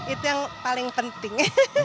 itu yang paling penting